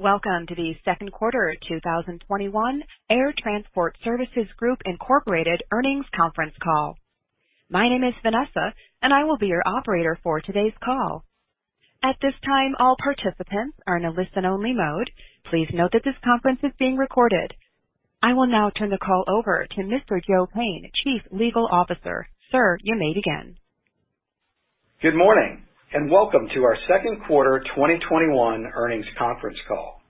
Welcome to the second quarter 2021 Air Transport Services Group Incorporated earnings conference call. My name is Vanessa, and I will be your operator for today's call. At this time, all participants are in a listen-only mode. Please note that this conference is being recorded. I will now turn the call over to Mr. Joe Payne, Chief Legal Officer. Sir, you may begin. Good morning, and welcome to our second quarter 2021 earnings conference call.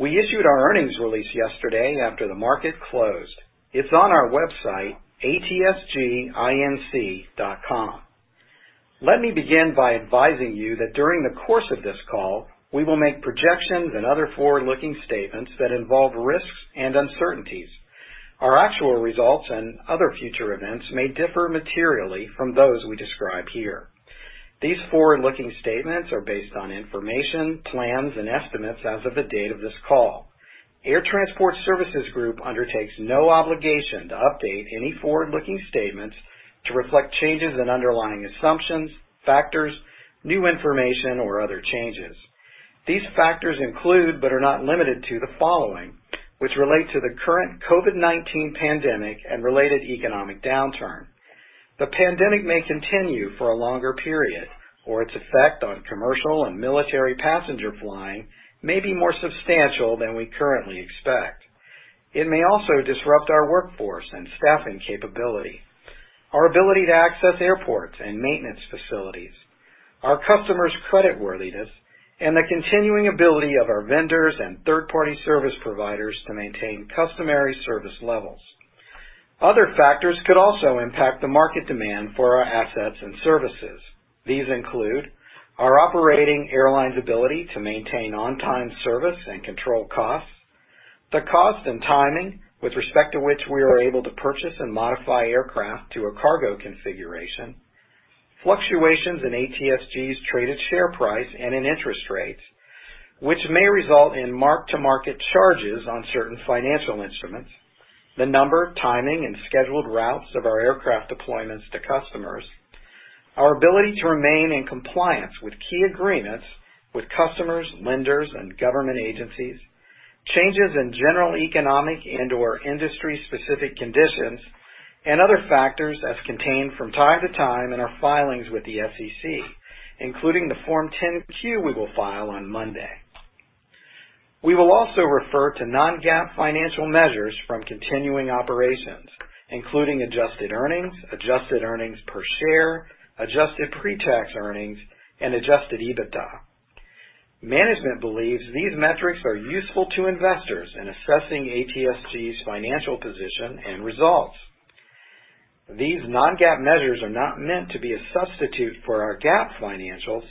We issued our earnings release yesterday after the market closed. It's on our website, atsginc.com. Let me begin by advising you that during the course of this call, we will make projections and other forward-looking statements that involve risks and uncertainties. Our actual results and other future events may differ materially from those we describe here. These forward-looking statements are based on information, plans, and estimates as of the date of this call. Air Transport Services Group undertakes no obligation to update any forward-looking statements to reflect changes in underlying assumptions, factors, new information, or other changes. These factors include, but are not limited to, the following, which relate to the current COVID-19 pandemic and related economic downturn. The pandemic may continue for a longer period, or its effect on commercial and military passenger flying may be more substantial than we currently expect. It may also disrupt our workforce and staffing capability, our ability to access airports and maintenance facilities, our customers' creditworthiness, and the continuing ability of our vendors and third-party service providers to maintain customary service levels. Other factors could also impact the market demand for our assets and services. These include our operating airlines' ability to maintain on-time service and control costs, the cost and timing with respect to which we are able to purchase and modify aircraft to a cargo configuration, fluctuations in ATSG's traded share price and in interest rates, which may result in mark-to-market charges on certain financial instruments, the number, timing, and scheduled routes of our aircraft deployments to customers, our ability to remain in compliance with key agreements with customers, lenders, and government agencies, changes in general economic and/or industry-specific conditions, and other factors as contained from time to time in our filings with the SEC, including the Form 10-Q we will file on Monday. We will also refer to non-GAAP financial measures from continuing operations, including adjusted earnings, adjusted earnings per share, adjusted pre-tax earnings, and adjusted EBITDA. Management believes these metrics are useful to investors in assessing ATSG's financial position and results. These non-GAAP measures are not meant to be a substitute for our GAAP financials.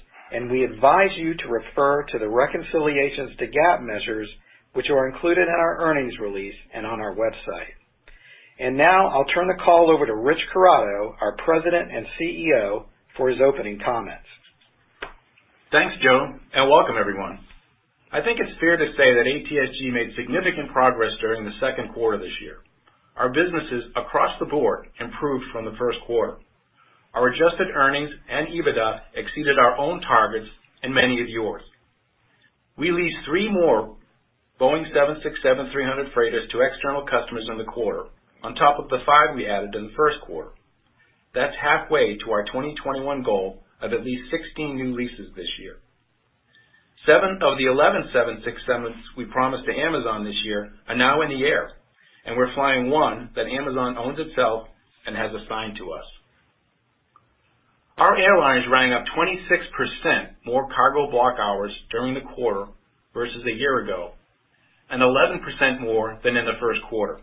We advise you to refer to the reconciliations to GAAP measures, which are included in our earnings release and on our website. Now I'll turn the call over to Rich Corrado, our President and CEO, for his opening comments. Thanks, Joe, and welcome everyone. I think it's fair to say that ATSG made significant progress during the second quarter this year. Our businesses across the board improved from the first quarter. Our adjusted earnings and EBITDA exceeded our own targets and many of yours. We leased three more Boeing 767-300 freighters to external customers in the quarter, on top of the five we added in the first quarter. That's halfway to our 2021 goal of at least 16 new leases this year. Seven of the 11 767s we promised to Amazon this year are now in the air, and we're flying one that Amazon owns itself and has assigned to us. Our airlines rang up 26% more cargo block hours during the quarter versus a year ago, and 11% more than in the first quarter.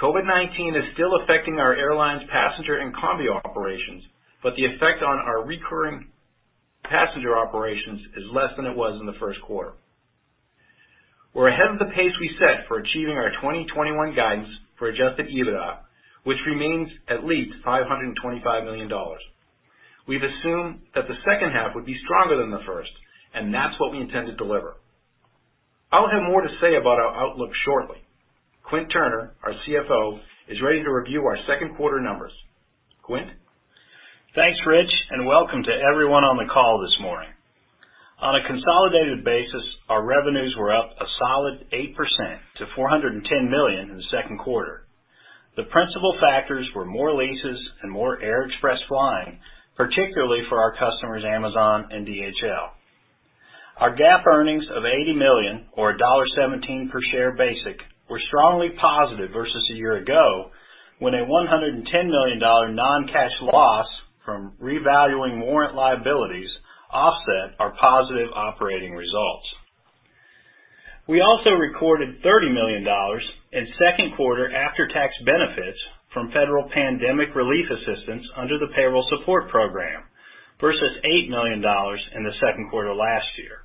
COVID-19 is still affecting our airlines passenger and combi operations, but the effect on our recurring passenger operations is less than it was in the first quarter. We're ahead of the pace we set for achieving our 2021 guidance for adjusted EBITDA, which remains at least $525 million. We've assumed that the second half would be stronger than the first, and that's what we intend to deliver. I'll have more to say about our outlook shortly. Quint Turner, our CFO, is ready to review our second quarter numbers. Quint? Thanks, Rich, and welcome to everyone on the call this morning. On a consolidated basis, our revenues were up a solid 8% to $410 million in the second quarter. The principal factors were more leases and more Air Express flying, particularly for our customers Amazon and DHL. Our GAAP earnings of $80 million, or $1.17 per share basic, were strongly positive versus a year ago, when a $110 million non-cash loss from revaluing warrant liabilities offset our positive operating results. We also recorded $30 million in second quarter after-tax benefits from federal pandemic relief assistance under the payroll support program versus $8 million in the second quarter last year.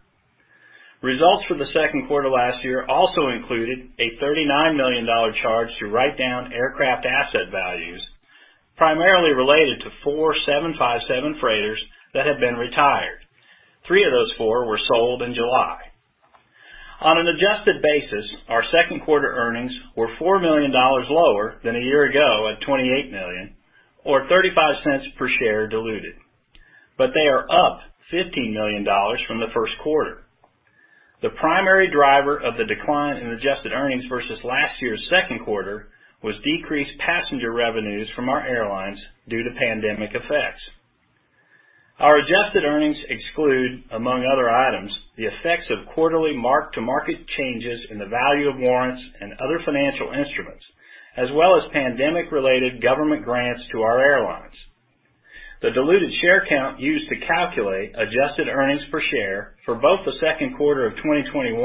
Results for the second quarter last year also included a $39 million charge to write down aircraft asset values, primarily related to four 757 freighters that had been retired. Three of those four were sold in July. On an adjusted basis, our second quarter earnings were $4 million lower than a year ago at $28 million, or $0.35 per share diluted, but they are up $15 million from the first quarter. The primary driver of the decline in adjusted earnings versus last year's second quarter was decreased passenger revenues from our airlines due to pandemic effects. Our adjusted earnings exclude, among other items, the effects of quarterly mark-to-market changes in the value of warrants and other financial instruments, as well as pandemic-related government grants to our airlines. The diluted share count used to calculate adjusted earnings per share for both the second quarter of 2021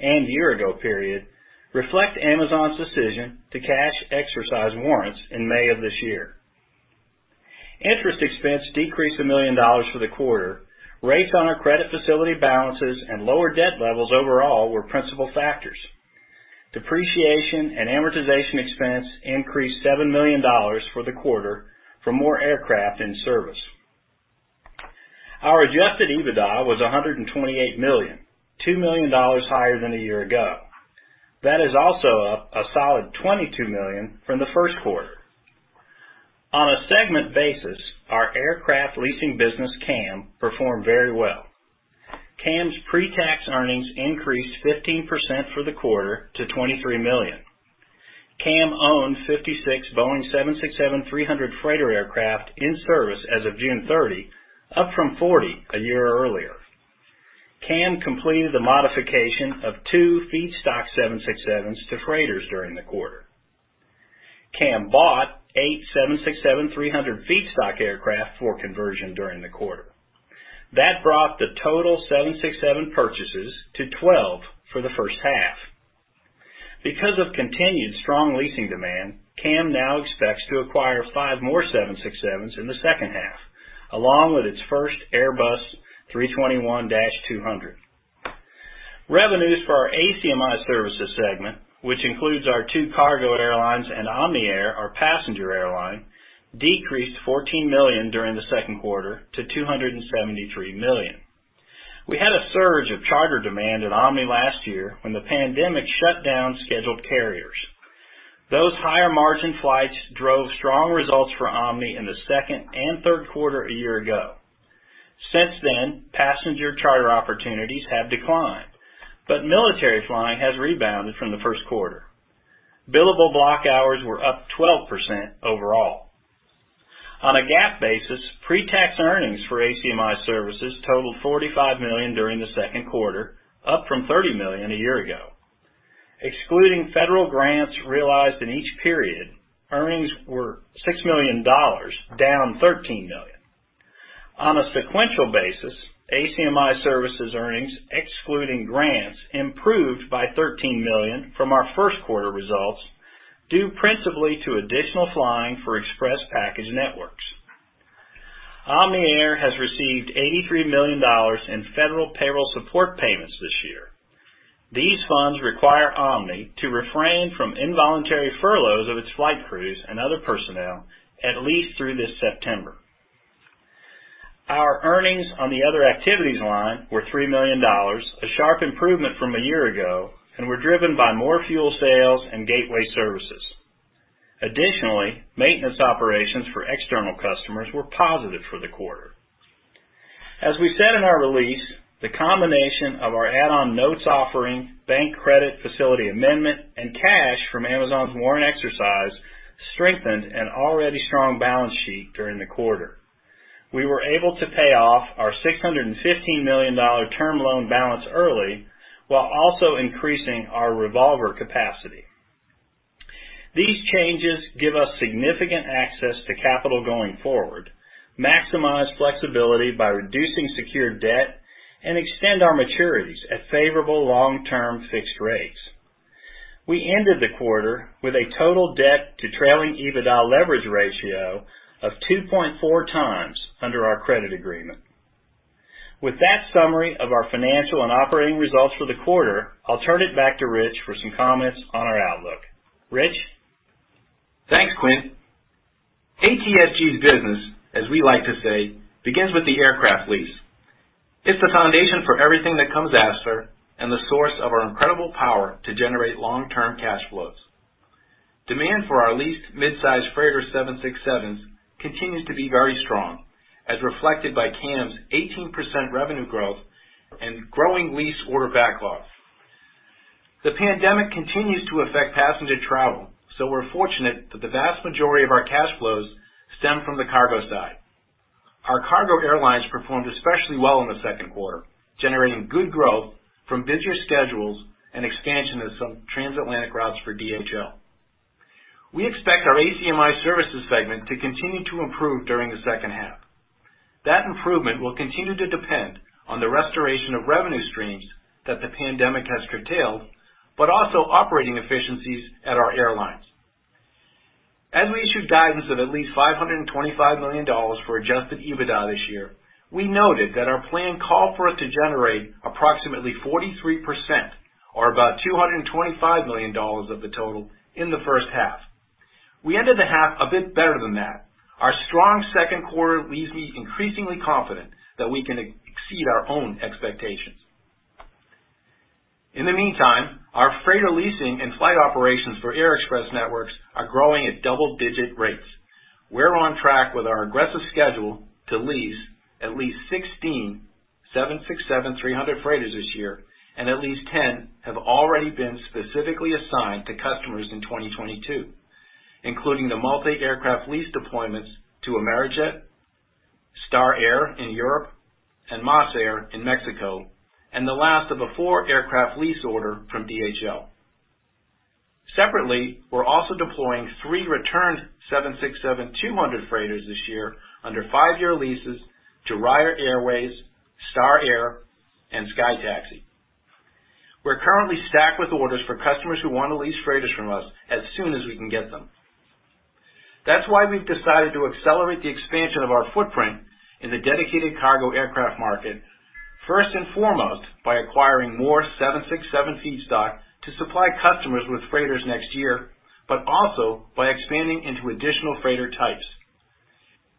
and year-ago period reflect Amazon's decision to cash exercise warrants in May of this year. Interest expense decreased $1 million for the quarter. Rates on our credit facility balances and lower debt levels overall were principal factors. Depreciation and amortization expense increased $7 million for the quarter for more aircraft in service. Our adjusted EBITDA was $128 million, $2 million higher than a year ago. That is also up a solid $22 million from the first quarter. On a segment basis, our aircraft leasing business, CAM, performed very well. CAM's pre-tax earnings increased 15% for the quarter to $23 million. CAM owned 56 Boeing 767-300 freighter aircraft in service as of June 30, up from 40 a year earlier. CAM completed the modification of two feedstock 767s to freighters during the quarter. CAM bought eight 767-300 feedstock aircraft for conversion during the quarter. That brought the total 767 purchases to 12 for the first half. Because of continued strong leasing demand, CAM now expects to acquire five more 767s in the second half, along with its first Airbus A321-200. Revenues for our ACMI Services segment, which includes our two cargo airlines and Omni Air, our passenger airline, decreased $14 million during the second quarter to $273 million. We had a surge of charter demand at Omni last year when the pandemic shut down scheduled carriers. Those higher-margin flights drove strong results for Omni in the second and third quarter a year ago. Since then, passenger charter opportunities have declined, but military flying has rebounded from the first quarter. Billable block hours were up 12% overall. On a GAAP basis, pre-tax earnings for ACMI Services totaled $45 million during the second quarter, up from $30 million a year ago. Excluding federal grants realized in each period, earnings were $6 million, down $13 million. On a sequential basis, ACMI Services earnings, excluding grants, improved by $13 million from our first quarter results due principally to additional flying for express package networks. Omni Air has received $83 million in federal payroll support payments this year. These funds require Omni to refrain from involuntary furloughs of its flight crews and other personnel at least through this September. Our earnings on the other activities line were $3 million, a sharp improvement from a year ago and were driven by more fuel sales and gateway services. Additionally, maintenance operations for external customers were positive for the quarter. As we said in our release, the combination of our add-on notes offering, bank credit facility amendment, and cash from Amazon's warrant exercise strengthened an already strong balance sheet during the quarter. We were able to pay off our $615 million term loan balance early while also increasing our revolver capacity. These changes give us significant access to capital going forward, maximize flexibility by reducing secured debt, and extend our maturities at favorable long-term fixed rates. We ended the quarter with a total debt to trailing EBITDA leverage ratio of 2.4x under our credit agreement. With that summary of our financial and operating results for the quarter, I'll turn it back to Rich for some comments on our outlook. Rich? Thanks, Quint. ATSG's business, as we like to say, begins with the aircraft lease. It's the foundation for everything that comes after and the source of our incredible power to generate long-term cash flows. Demand for our leased midsize freighter 767s continues to be very strong, as reflected by CAM's 18% revenue growth and growing lease order backlog. The pandemic continues to affect passenger travel, so we're fortunate that the vast majority of our cash flows stem from the cargo side. Our cargo airlines performed especially well in the second quarter, generating good growth from busier schedules and expansion of some transatlantic routes for DHL. We expect our ACMI Services segment to continue to improve during the second half. That improvement will continue to depend on the restoration of revenue streams that the pandemic has curtailed, but also operating efficiencies at our airlines. As we issued guidance of at least $525 million for adjusted EBITDA this year, we noted that our plan called for it to generate approximately 43%, or about $225 million of the total in the first half. We ended the half a bit better than that. Our strong second quarter leaves me increasingly confident that we can exceed our own expectations. In the meantime, our freighter leasing and flight operations for Air Express networks are growing at double-digit rates. We're on track with our aggressive schedule to lease at least 16 767-300 freighters this year, and at least 10 have already been specifically assigned to customers in 2022, including the multi-aircraft lease deployments to Amerijet, Star Air in Europe, and MasAir in Mexico, and the last of a four-aircraft lease order from DHL. Separately, we're also deploying three returned 767-200 freighters this year under five-year leases to Raya Airways, Star Air, and SkyTaxi. We're currently stacked with orders for customers who want to lease freighters from us as soon as we can get them. That's why we've decided to accelerate the expansion of our footprint in the dedicated cargo aircraft market, first and foremost, by acquiring more 767 feedstock to supply customers with freighters next year, but also by expanding into additional freighter types.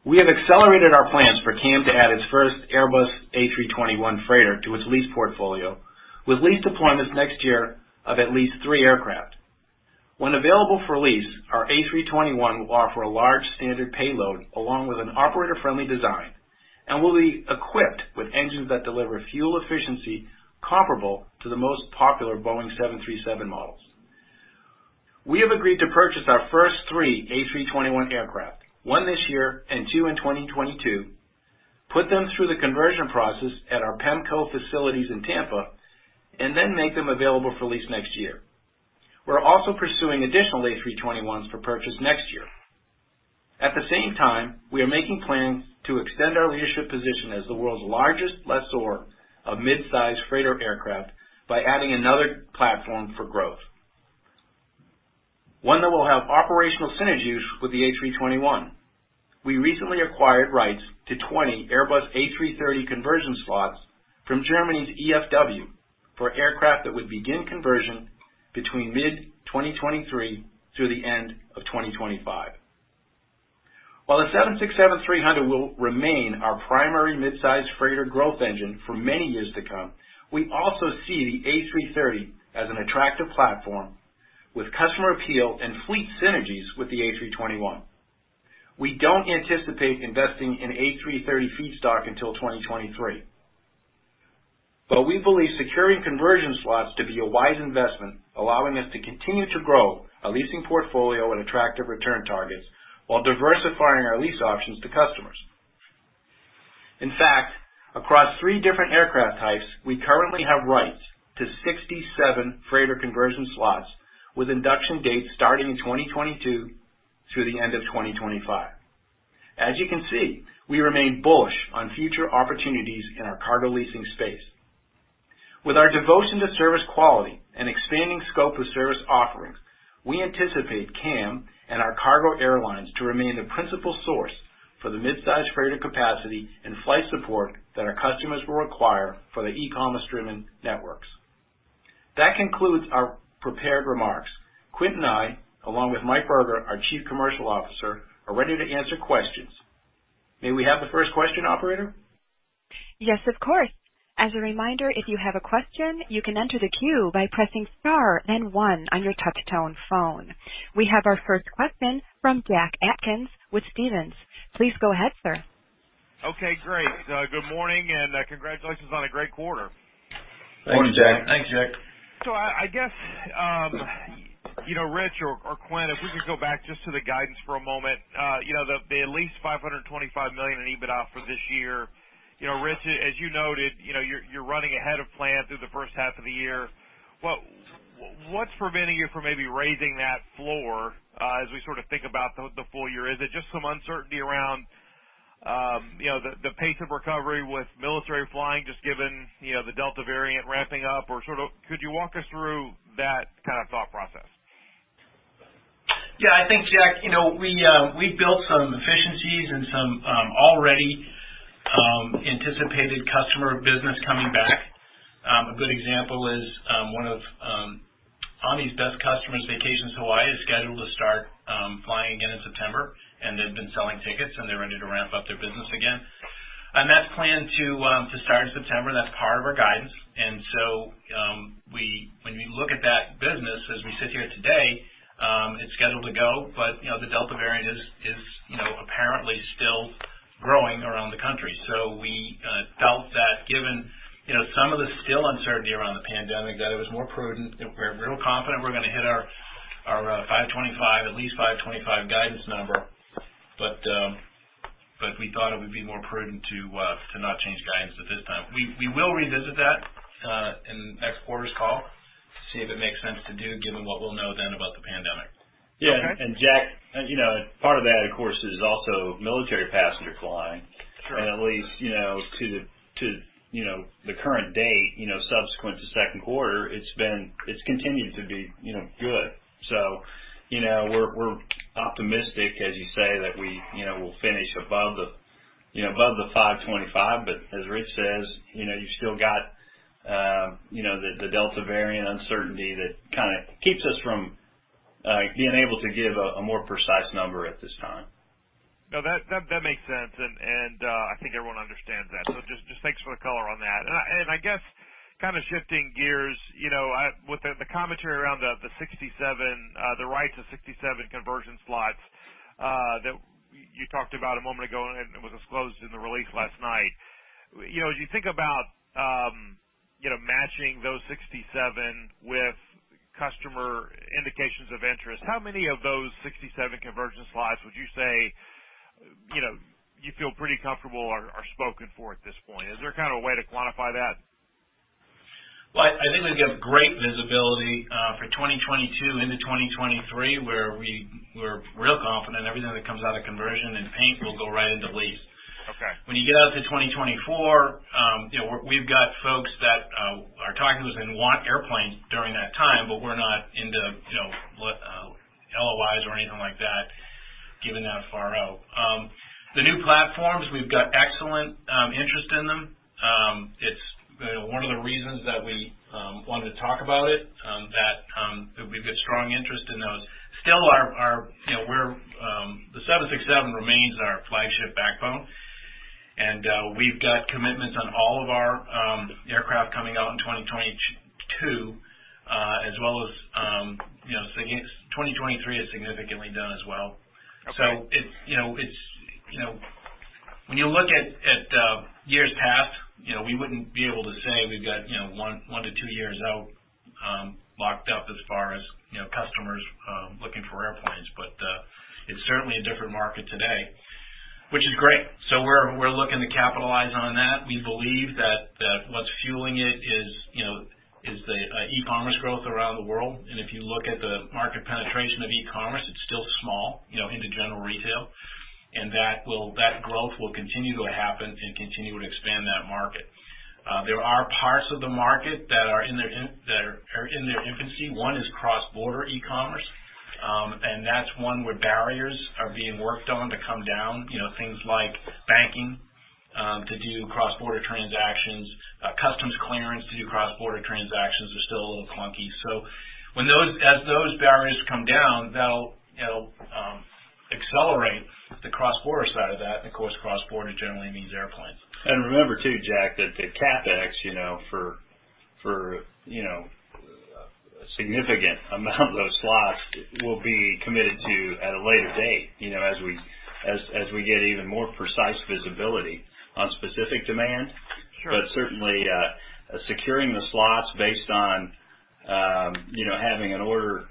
We have accelerated our plans for CAM to add its first Airbus A321 freighter to its lease portfolio with lease deployments next year of at least three aircraft. When available for lease, our A321 will offer a large standard payload along with an operator-friendly design and will be equipped with engines that deliver fuel efficiency comparable to the most popular Boeing 737 models. We have agreed to purchase our first three A321 aircraft, one this year and two in 2022, put them through the conversion process at our Pemco facilities in Tampa, and then make them available for lease next year. We're also pursuing additional A321s for purchase next year. At the same time, we are making plans to extend our leadership position as the world's largest lessor of mid-size freighter aircraft by adding another platform for growth, one that will have operational synergies with the A321. We recently acquired rights to 20 Airbus A330 conversion slots from Germany's EFW for aircraft that would begin conversion between mid-2023 through the end of 2025. While the 767-300 will remain our primary mid-size freighter growth engine for many years to come, we also see the A330 as an attractive platform with customer appeal and fleet synergies with the A321. We don't anticipate investing in A330 feedstock until 2023. We believe securing conversion slots to be a wise investment, allowing us to continue to grow a leasing portfolio at attractive return targets while diversifying our lease options to customers. In fact, across three different aircraft types, we currently have rights to 67 freighter conversion slots with induction dates starting in 2022 through the end of 2025. As you can see, we remain bullish on future opportunities in our cargo leasing space. With our devotion to service quality and expanding scope of service offerings, we anticipate CAM and our cargo airlines to remain the principal source for the mid-size freighter capacity and flight support that our customers will require for their e-commerce-driven networks. That concludes our prepared remarks. Quint and I, along with Mike Berger, our Chief Commercial Officer, are ready to answer questions. May we have the first question, operator? Yes, of course. As a reminder, if you have a question, you can enter the queue by pressing star then one on your touch-tone phone. We have our first question from Jack Atkins with Stephens. Please go ahead, sir. Okay, great. Good morning. Congratulations on a great quarter. Good morning, Jack. Thanks, Jack. I guess, Rich or Quint, if we could go back just to the guidance for a moment. The at least $525 million in EBITDA for this year. Rich, as you noted, you're running ahead of plan through the first half of the year. What's preventing you from maybe raising that floor as we sort of think about the full year? Is it just some uncertainty around the pace of recovery with military flying, just given the Delta variant ramping up? Or could you walk us through that kind of thought process? Yeah, I think, Jack, we built some efficiencies and some already anticipated customer business coming back. A good example is one of Omni's best customers, Vacations Hawaii, is scheduled to start flying again in September, and they've been selling tickets and they're ready to ramp up their business again. That's planned to start in September. That's part of our guidance. When we look at that business as we sit here today, it's scheduled to go, but the Delta variant is apparently still growing around the country. We felt that given some of the still uncertainty around the pandemic, that it was more prudent. We're real confident we're going to hit our at least $525 guidance number. We thought it would be more prudent to not change guidance at this time. We will revisit that in next quarter's call to see if it makes sense to do, given what we'll know then about the pandemic. Yeah. Jack, part of that, of course, is also military passenger flying. Sure. At least, to the current date subsequent to second quarter, it's continued to be good. We're optimistic, as you say, that we will finish above the 525. As Rich says, you still got the Delta variant uncertainty that kind of keeps us from being able to give a more precise number at this time. No, that makes sense, and I think everyone understands that. Just thanks for the color on that. I guess, kind of shifting gears, with the commentary around the rights of 767 conversion slots that you talked about a moment ago, and it was disclosed in the release last night. As you think about matching those 767 with customer indications of interest, how many of those 767 conversion slots would you say you feel pretty comfortable are spoken for at this point? Is there a way to quantify that? Well, I think we've got great visibility for 2022 into 2023, where we're real confident everything that comes out of conversion and paint will go right into lease. Okay. When you get out to 2024, we've got folks that are talking to us and want airplanes during that time, but we're not into LOIs or anything like that, given that far out. The new platforms, we've got excellent interest in them. It's one of the reasons that we wanted to talk about it, that we've got strong interest in those. Still, the 767 remains our flagship backbone, and we've got commitments on all of our aircraft coming out in 2022, as well as 2023 is significantly done as well. Okay. When you look at years past, we wouldn't be able to say we've got one to two years out locked up as far as customers looking for airplanes. It's certainly a different market today, which is great. We're looking to capitalize on that. We believe that what's fueling it is the e-commerce growth around the world. If you look at the market penetration of e-commerce, it's still small into general retail, and that growth will continue to happen and continue to expand that market. There are parts of the market that are in their infancy. One is cross-border e-commerce, and that's one where barriers are being worked on to come down. Things like banking to do cross-border transactions, customs clearance to do cross-border transactions are still a little clunky. As those barriers come down, that'll accelerate the cross-border side of that, and of course, cross-border generally means airplanes. Remember, too, Jack, that the CapEx for a significant amount of those slots will be committed to at a later date, as we get even more precise visibility on specific demand. Sure. Certainly, securing the slots based on having an order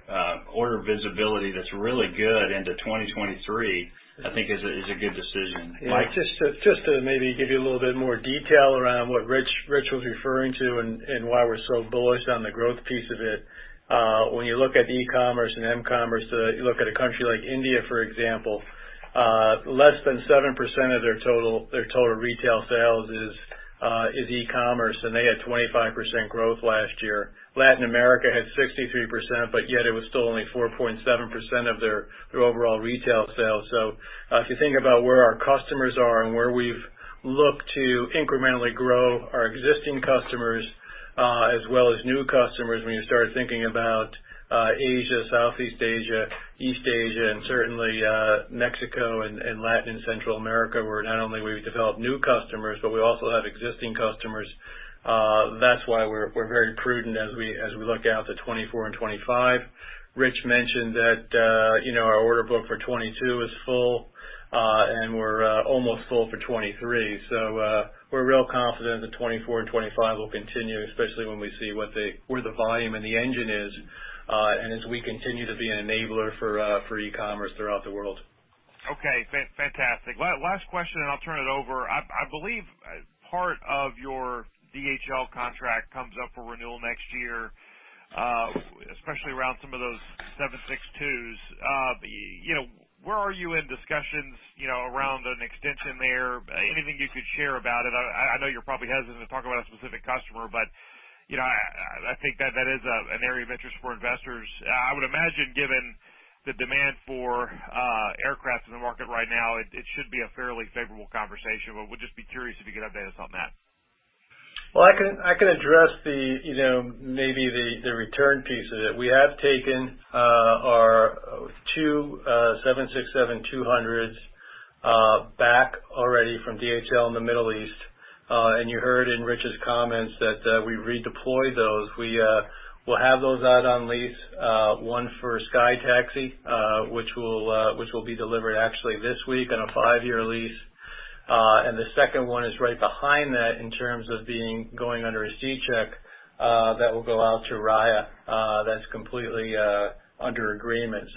visibility that's really good into 2023, I think is a good decision. Mike? Just to maybe give you a little bit more detail around what Rich was referring to and why we're so bullish on the growth piece of it. When you look at e-commerce and m-commerce, you look at a country like India, for example, less than 7% of their total retail sales is e-commerce, and they had 25% growth last year. Latin America had 63%, but yet it was still only 4.7% of their overall retail sales. If you think about where our customers are and where we've looked to incrementally grow our existing customers, as well as new customers, when you start thinking about Asia, Southeast Asia, East Asia, and certainly Mexico and Latin and Central America, where not only we've developed new customers, but we also have existing customers. That's why we're very prudent as we look out to 2024 and 2025. Rich mentioned that our order book for 2022 is full, and we're almost full for 2023. We're real confident that 2024 and 2025 will continue, especially when we see where the volume and the engine is, and as we continue to be an enabler for e-commerce throughout the world. Okay, fantastic. Last question, I'll turn it over. I believe part of your DHL contract comes up for renewal next year, especially around some of those 762s. Where are you in discussions around an extension there? Anything you could share about it? I know you're probably hesitant to talk about a specific customer, but I think that is an area of interest for investors. I would imagine given the demand for aircraft in the market right now, it should be a fairly favorable conversation, but would just be curious if you could update us on that. I can address maybe the return piece of it. We have taken our two 767-200s back already from DHL in the Middle East. You heard in Rich's comments that we redeployed those. We will have those out on lease, one for SkyTaxi, which will be delivered actually this week on a five-year lease. The second one is right behind that in terms of going under a C check that will go out to Raya. That is completely under agreement.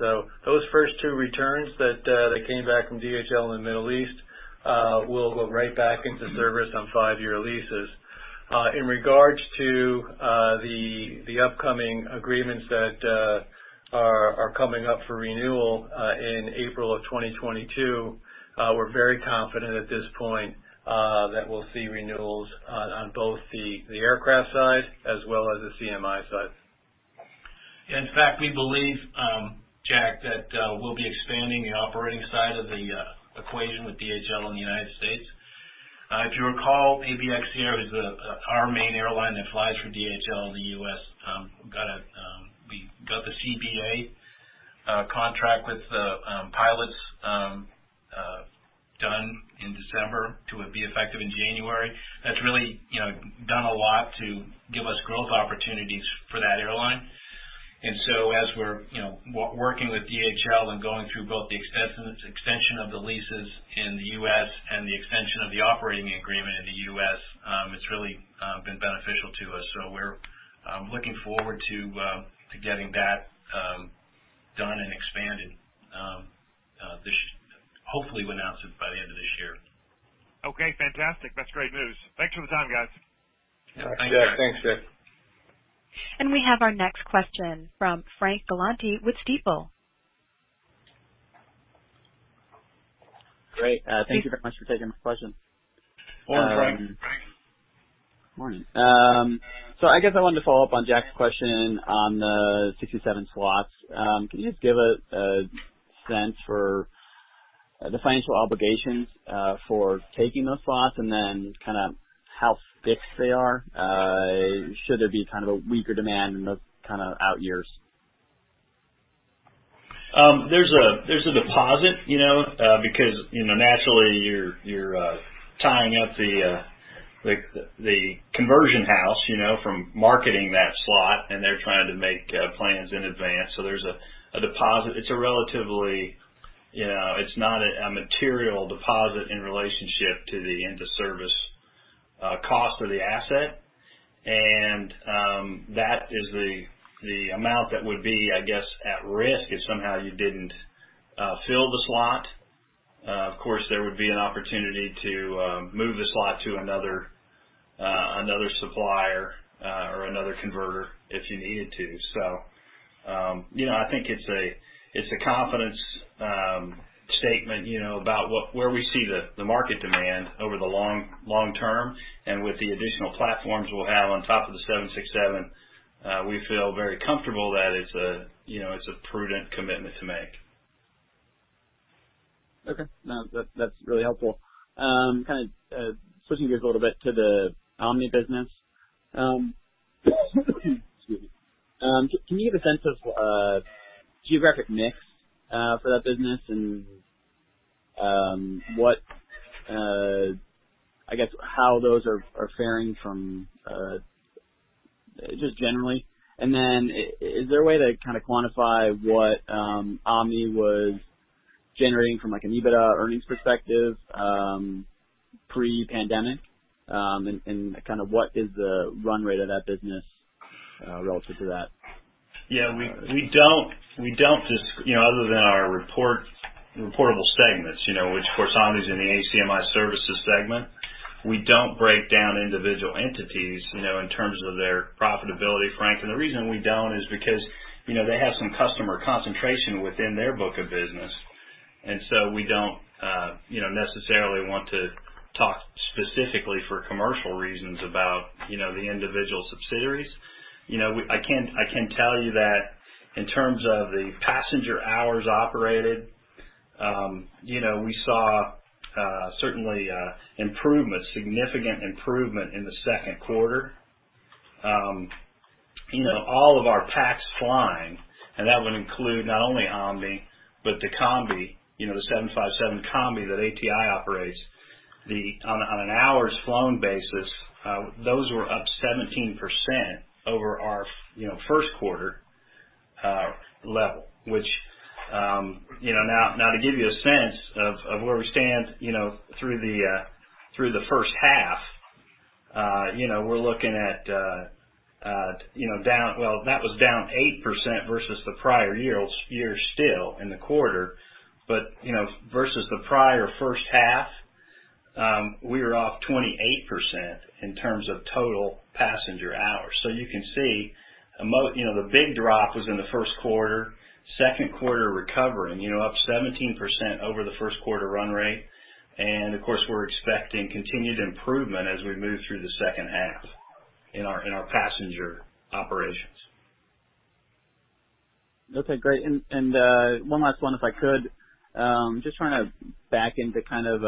Those first two returns that came back from DHL in the Middle East will go right back into service on five-year leases. In regards to the upcoming agreements that are coming up for renewal in April 2022, we are very confident at this point that we will see renewals on both the aircraft side as well as the CMI side. In fact, we believe, Jack, that we'll be expanding the operating side of the equation with DHL in the United States. If you recall, ABX Air is our main airline that flies for DHL in the U.S. Got the CBA contract with the pilots done in December to be effective in January. That's really done a lot to give us growth opportunities for that airline. As we're working with DHL and going through both the extension of the leases in the U.S. and the extension of the operating agreement in the U.S., it's really been beneficial to us. We're looking forward to getting that done and expanded, hopefully we'll announce it by the end of this year. Okay, fantastic. That's great news. Thanks for the time, guys. Thanks, Jack. We have our next question from Frank Galanti with Stifel. Great. Thank you very much for taking my question. Morning, Frank. Morning. I guess I wanted to follow up on Jack's question on the 67 slots. Can you just give a sense for the financial obligations for taking those slots and then how fixed they are? Should there be a weaker demand in those out years? There's a deposit, because naturally you're tying up the conversion house from marketing that slot, and they're trying to make plans in advance. There's a deposit. It's not a material deposit in relationship to the into-service cost of the asset, and that is the amount that would be, I guess, at risk if somehow you didn't fill the slot. Of course, there would be an opportunity to move the slot to another supplier or another converter if you needed to. I think it's a confidence statement about where we see the market demand over the long term, and with the additional platforms we'll have on top of the 767, we feel very comfortable that it's a prudent commitment to make. Okay. No, that's really helpful. Kind of switching gears a little bit to the Omni business. Excuse me. Can you give a sense of geographic mix for that business and how those are fairing from just generally? Is there a way to kind of quantify what Omni was generating from like an EBITDA earnings perspective pre-pandemic? What is the run rate of that business relative to that? Yeah. Other than our reportable segments, which of course, Omni's in the ACMI Services segment, the reason we don't break down individual entities in terms of their profitability, Frank, is because they have some customer concentration within their book of business. We don't necessarily want to talk specifically for commercial reasons about the individual subsidiaries. I can tell you that in terms of the passenger hours operated, we saw certainly significant improvement in the second quarter. All of our pax flying, and that would include not only Omni, but the combi, the 757 combi that ATI operates on an hours flown basis, those were up 17% over our first quarter level. To give you a sense of where we stand through the first half, that was down 8% versus the prior year still in the quarter. Versus the prior first half, we were off 28% in terms of total passenger hours. You can see, the big drop was in the first quarter, second quarter recovering, up 17% over the first quarter run rate. Of course, we're expecting continued improvement as we move through the second half in our passenger operations. Okay, great. One last one, if I could. Just trying to back into kind of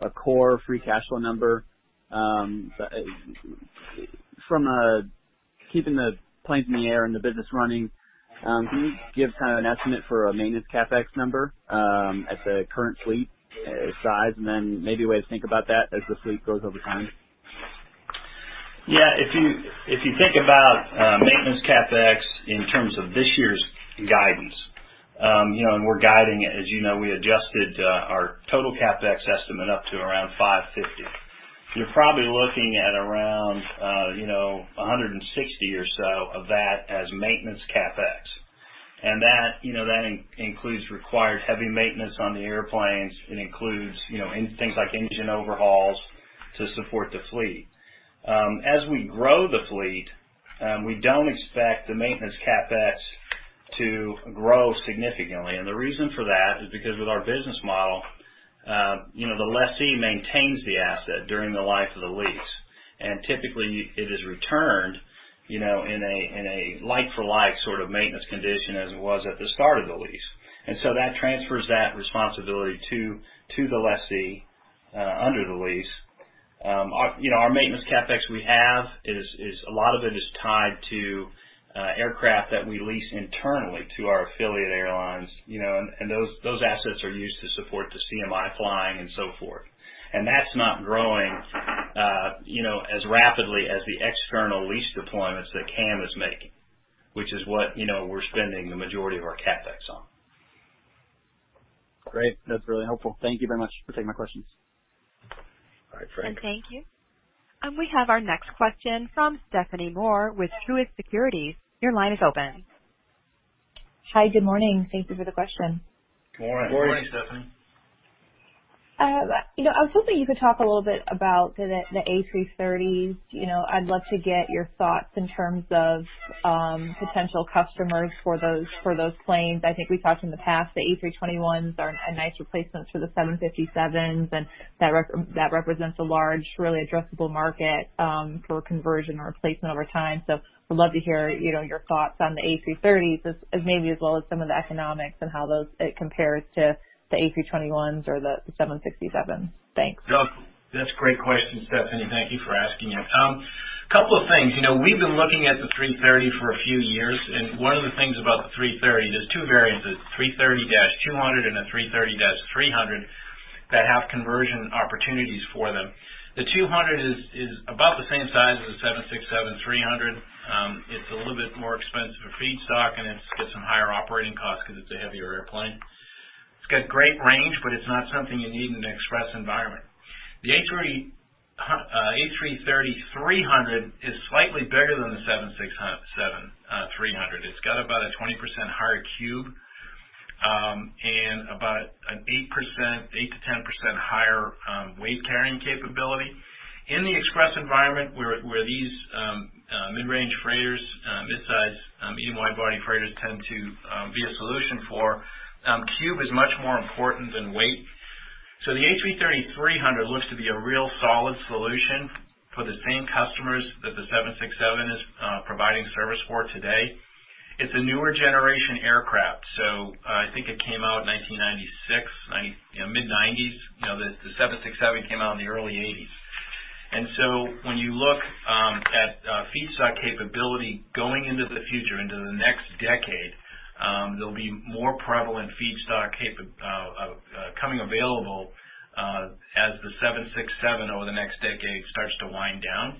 a core free cash flow number. From keeping the planes in the air and the business running, can you give kind of an estimate for a maintenance CapEx number at the current fleet size, and then maybe a way to think about that as the fleet grows over time? Yeah. If you think about maintenance CapEx in terms of this year's guidance, as you know, we adjusted our total CapEx estimate up to around $550. You're probably looking at around $160 or so of that as maintenance CapEx. That includes required heavy maintenance on the airplanes. It includes things like engine overhauls to support the fleet. As we grow the fleet, we don't expect the maintenance CapEx to grow significantly. The reason for that is because with our business model, the lessee maintains the asset during the life of the lease, and typically it is returned in a like for like sort of maintenance condition as it was at the start of the lease. That transfers that responsibility to the lessee under the lease. Our maintenance CapEx we have, a lot of it is tied to aircraft that we lease internally to our affiliate airlines, and those assets are used to support the CMI flying and so forth. That's not growing as rapidly as the external lease deployments that CAM is making, which is what we're spending the majority of our CapEx on. Great. That's really helpful. Thank you very much for taking my questions. All right. Thank you. We have our next question from Stephanie Moore with Truist Securities. Your line is open. Hi. Good morning. Thank you for the question. Good morning. Good morning. Good morning, Stephanie. I was hoping you could talk a little bit about the A330s. I'd love to get your thoughts in terms of potential customers for those planes. I think we've talked in the past, the A321s are a nice replacement for the 757s, and that represents a large, really addressable market, for conversion or replacement over time. I'd love to hear your thoughts on the A330s, maybe as well as some of the economics and how it compares to the A321s or the 767s. Thanks. That's a great question, Stephanie. Thank you for asking it. Couple of things. We've been looking at the 330 for a few years, and one of the things about the 330, there's two variants, the 330-200 and a 330-300, that have conversion opportunities for them. The 200 is about the same size as a 767-300. It's a little bit more expensive for feedstock, and it's got some higher operating costs because it's a heavier airplane. It's got great range, but it's not something you need in an express environment. The A330-300 is slightly bigger than the 767-300. It's got about a 20% higher cube, and about an 8%-10% higher weight-carrying capability. In the express environment, where these mid-range freighters, mid-size medium-wide body freighters tend to be a solution for, cube is much more important than weight. The A330-300 looks to be a real solid solution for the same customers that the 767 is providing service for today. It's a newer generation aircraft, so I think it came out in 1996, mid-1990s. The 767 came out in the early 1980s. When you look at feedstock capability going into the future, into the next decade, there'll be more prevalent feedstock coming available, as the 767 over the next decade starts to wind down.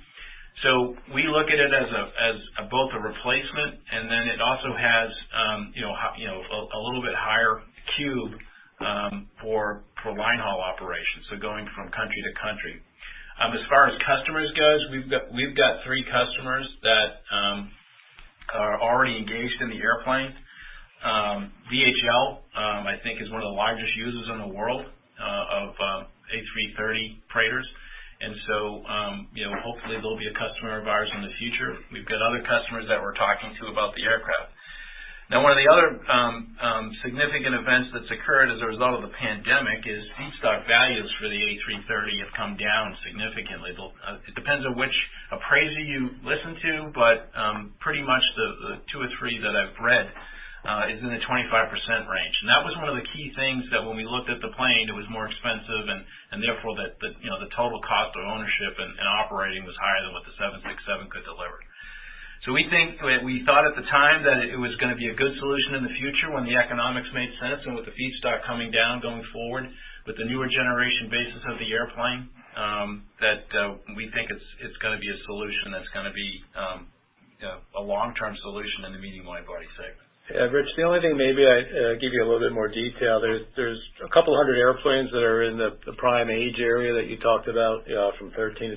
We look at it as both a replacement, and then it also has a little bit higher cube, for line haul operations, so going from country to country. As far as customers goes, we've got three customers that are already engaged in the airplane. DHL, I think, is one of the largest users in the world of A330 freighters. Hopefully they'll be a customer of ours in the future. We've got other customers that we're talking to about the aircraft. One of the other significant events that's occurred as a result of the pandemic is feedstock values for the A330 have come down significantly. It depends on which appraiser you listen to, pretty much the two or three that I've read, is in the 25% range. That was one of the key things that when we looked at the plane, it was more expensive, and therefore, the total cost of ownership and operating was higher than what the 767 could deliver. We thought at the time that it was going to be a good solution in the future when the economics made sense, and with the feedstock coming down going forward, with the newer generation basis of the airplane, that we think it's going to be a solution that's going to be a long-term solution in the medium-wide body segment. Rich, the only thing maybe I'd give you a little bit more detail. There's a couple hundred airplanes that are in the prime age area that you talked about from 13-25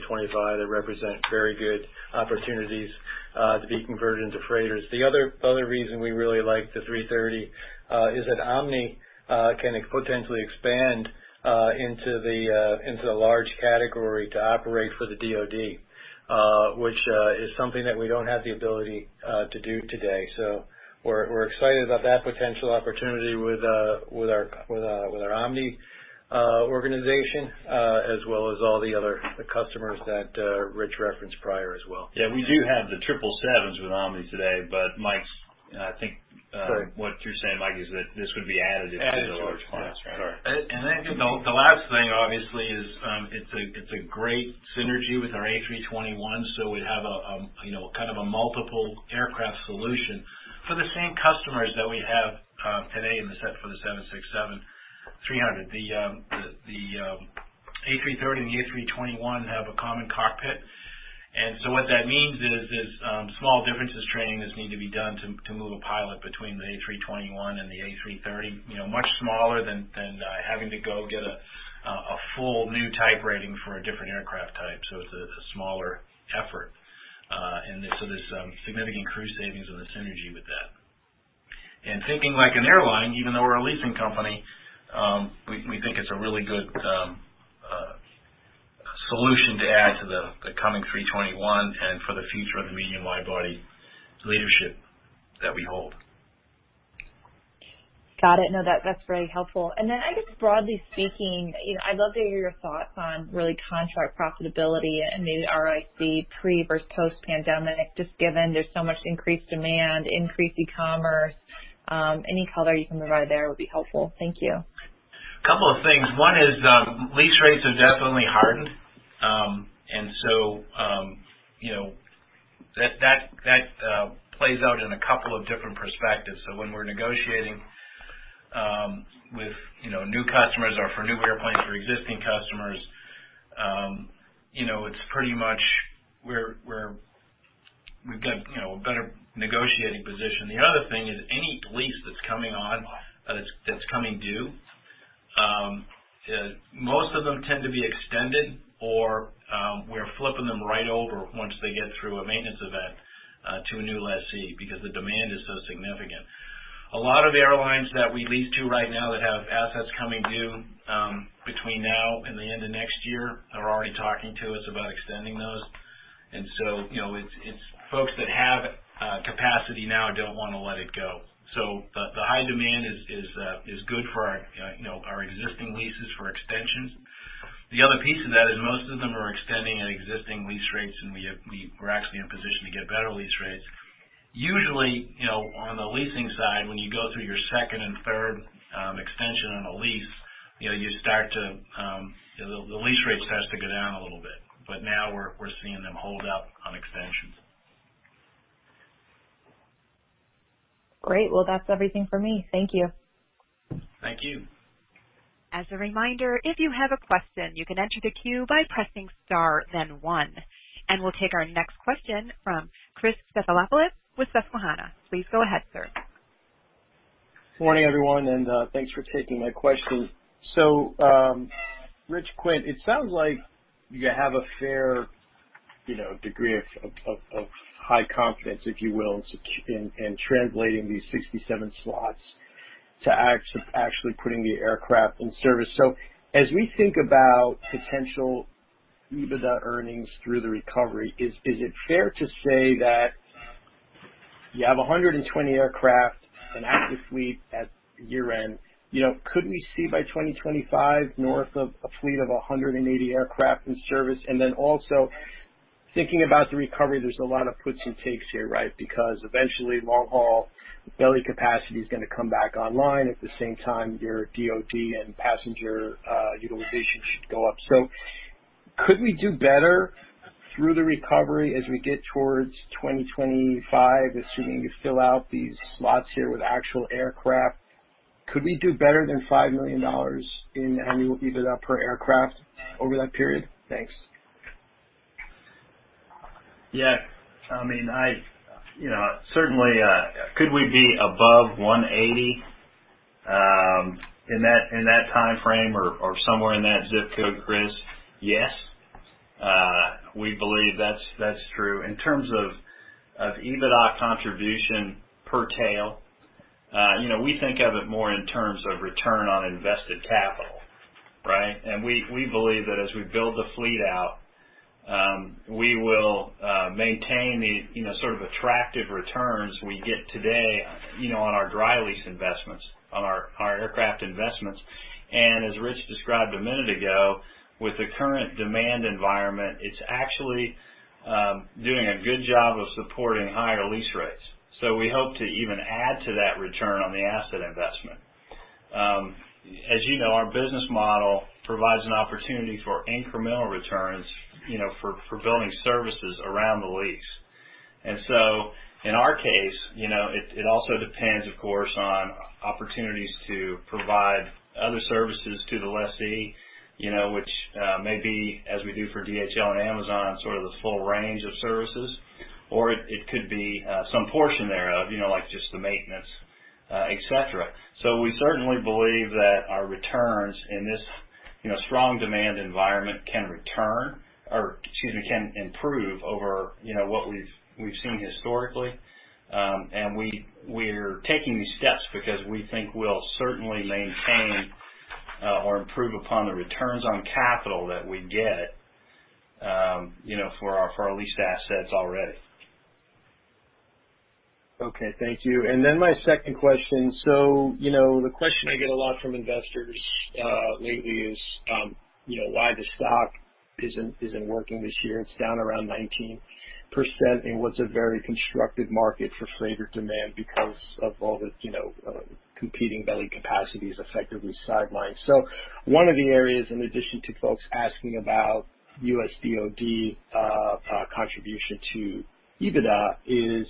that represent very good opportunities to be converted into freighters. The other reason we really like the 330, is that Omni can potentially expand into the large category to operate for the DoD, which is something that we don't have the ability to do today. We're excited about that potential opportunity with our Omni organization, as well as all the other customers that Rich referenced prior as well. Yeah, we do have the 777s with Omni today, but I think what you're saying, Mike, is that this would be added into the large clients, right? Added to it. Yes. Correct. The last thing, obviously, is it's a great synergy with our A321, so we have kind of a multiple aircraft solution for the same customers that we have today for the 767-300. The A330 and the A321 have a common cockpit. What that means is small differences training that need to be done to move a pilot between the A321 and the A330, much smaller than having to go get a full new type rating for a different aircraft type. It's a smaller effort. There's significant crew savings and the synergy with that. Thinking like an airline, even though we're a leasing company, we think it's a really good solution to add to the coming A321 and for the future of the medium-wide body leadership that we hold. Got it. No, that's very helpful. I guess broadly speaking, I'd love to hear your thoughts on really contract profitability and maybe ROIC pre- versus post-pandemic, just given there's so much increased demand, increased e-commerce. Any color you can provide there would be helpful. Thank you. A couple of things. One is lease rates have definitely hardened. That plays out in a couple of different perspectives. The other thing is any lease that's coming on, that's coming due, most of them tend to be extended or we're flipping them right over once they get through a maintenance event to a new lessee because the demand is so significant. A lot of airlines that we lease to right now that have assets coming due between now and the end of next year are already talking to us about extending those. It's folks that have capacity now don't want to let it go. The high demand is good for our existing leases for extensions. The other piece of that is most of them are extending at existing lease rates. We're actually in a position to get better lease rates. Usually, on the leasing side, when you go through your second and third extension on a lease, the lease rates has to go down a little bit. Now we're seeing them hold up on extensions. Great. Well, that's everything for me. Thank you. Thank you. As a reminder, if you have a question, you can enter the queue by pressing star then one. We'll take our next question from Chris Stathoulopoulos with Susquehanna. Please go ahead, sir. Good morning, everyone, and thanks for taking my question. Rich, Quint, it sounds like you have a fair degree of high confidence, if you will, in translating these 67 slots to actually putting the aircraft in service. As we think about potential EBITDA earnings through the recovery, is it fair to say that you have 120 aircraft, an active fleet at year-end? Could we see by 2025 north of a fleet of 180 aircraft in service? Also thinking about the recovery, there's a lot of puts and takes here, right? Because eventually long-haul belly capacity is going to come back online. At the same time, your DoD and passenger utilization should go up. Could we do better through the recovery as we get towards 2025, assuming you fill out these slots here with actual aircraft? Could we do better than $5 million in annual EBITDA per aircraft over that period? Thanks. Certainly, could we be above 180 in that timeframe or somewhere in that zip code, Chris? We believe that's true. In terms of EBITDA contribution per tail, we think of it more in terms of return on invested capital, right? We believe that as we build the fleet out, we will maintain the sort of attractive returns we get today on our dry lease investments, on our aircraft investments. As Rich described a minute ago, with the current demand environment, it's actually doing a good job of supporting higher lease rates. We hope to even add to that return on the asset investment. As you know, our business model provides an opportunity for incremental returns for building services around the lease. In our case, it also depends, of course, on opportunities to provide other services to the lessee which may be, as we do for DHL and Amazon, sort of the full range of services, or it could be some portion thereof like just the maintenance, et cetera. We certainly believe that our returns in this strong demand environment can return, or excuse me, can improve over what we've seen historically. We're taking these steps because we think we'll certainly maintain or improve upon the returns on capital that we get for our leased assets already. Okay. Thank you. My second question, the question I get a lot from investors lately is why the stock isn't working this year. It's down around 19% in what's a very constructive market for freighter demand because of all the competing belly capacities effectively sidelined. One of the areas, in addition to folks asking about U.S. DoD contribution to EBITDA is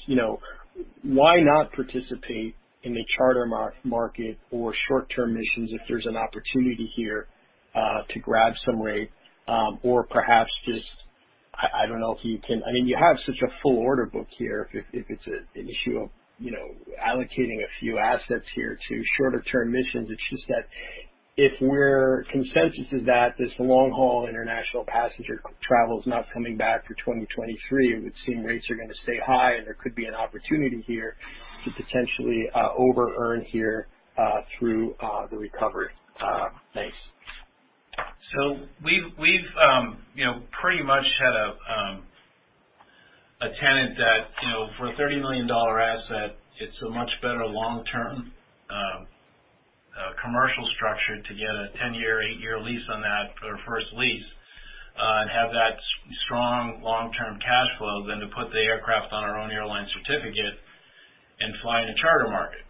why not participate in the charter market or short-term missions if there's an opportunity here to grab some rate? Perhaps just, I don't know if you can I mean, you have such a full order book here. If it's an issue of allocating a few assets here to shorter term missions, it's just that if we're consensus is that this long-haul international passenger travel is not coming back for 2023, it would seem rates are going to stay high and there could be an opportunity here to potentially over-earn here through the recovery. Thanks. We've pretty much had a tenant that for a $30 million asset, it's a much better long-term commercial structure to get a 10-year, eight-year lease on that for a first lease, and have that strong long-term cash flow than to put the aircraft on our own airline certificate. Fly in a charter market.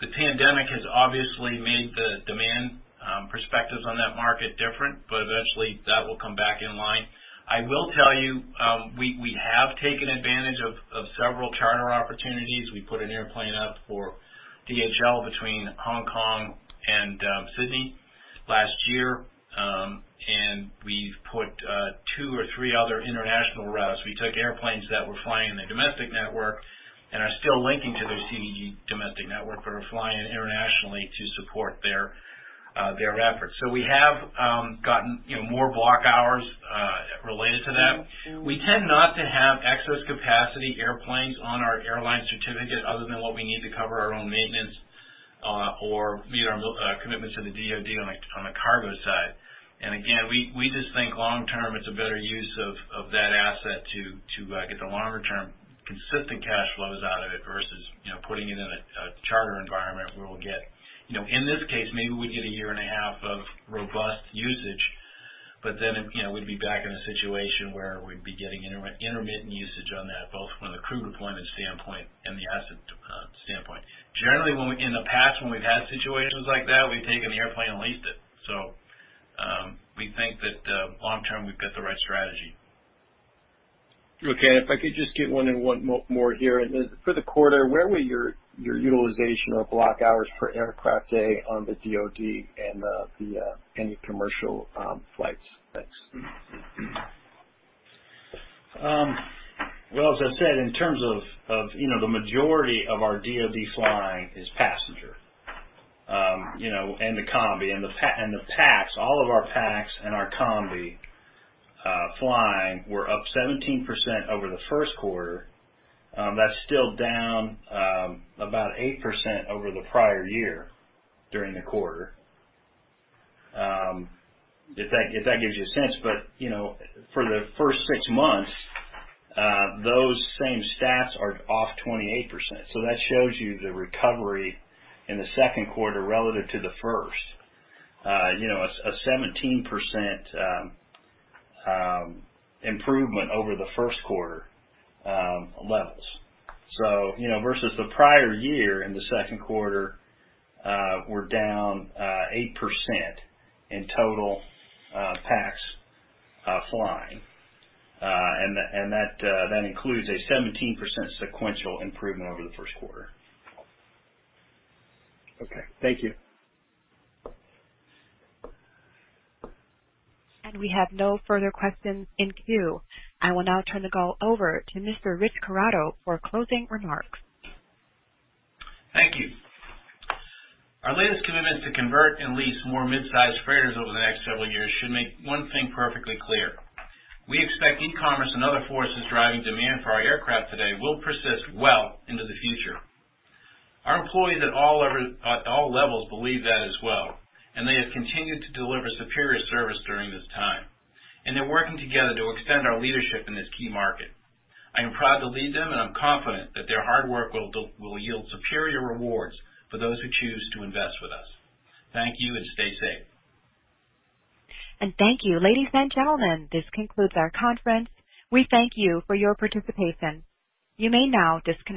The pandemic has obviously made the demand perspectives on that market different, but eventually that will come back in line. I will tell you, we have taken advantage of several charter opportunities. We put an airplane up for DHL between Hong Kong and Sydney last year, and we've put two or three other international routes. We took airplanes that were flying in the domestic network and are still linking to those CVG domestic network, but are flying internationally to support their efforts. We have gotten more block hours related to that. We tend not to have excess capacity airplanes on our airline certificate other than what we need to cover our own maintenance or meet our commitments to the DoD on a cargo side. Again, we just think long term, it's a better use of that asset to get the longer-term consistent cash flows out of it versus putting it in a charter environment where we'll get, in this case, maybe we get a year and a half of robust usage, but then we'd be back in a situation where we'd be getting intermittent usage on that, both from the crew deployment standpoint and the asset standpoint. Generally, in the past, when we've had situations like that, we've taken the airplane and leased it. We think that long term, we've got the right strategy. Okay. If I could just get one more here. For the quarter, where were your utilization or block hours per aircraft day on the DoD and any commercial flights? Thanks. As I said, in terms of the majority of our DoD flying is passenger, and the combi and the packs, all of our packs and our combi flying were up 17% over the first quarter. That's still down about 8% over the prior year during the quarter. If that gives you a sense. For the first six months, those same stats are off 28%. That shows you the recovery in the second quarter relative to the first. A 17% improvement over the first quarter levels. Versus the prior year in the second quarter, we're down 8% in total packs flying. That includes a 17% sequential improvement over the first quarter. Okay. Thank you. We have no further questions in queue. I will now turn the call over to Mr. Rich Corrado for closing remarks. Thank you. Our latest commitment to convert and lease more mid-sized freighters over the next several years should make one thing perfectly clear. We expect e-commerce and other forces driving demand for our aircraft today will persist well into the future. Our employees at all levels believe that as well. They have continued to deliver superior service during this time. They're working together to extend our leadership in this key market. I am proud to lead them. I'm confident that their hard work will yield superior rewards for those who choose to invest with us. Thank you. Stay safe. Thank you. Ladies and gentlemen, this concludes our conference. We thank you for your participation. You may now disconnect.